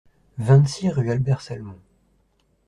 vingt-six rue Albert Salmon